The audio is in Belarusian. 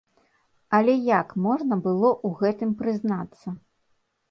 Але як можна было ў гэтым прызнацца?